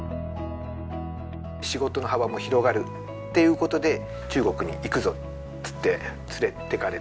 仕事の幅も広がるっていう事で中国に行くぞっつって連れてかれて。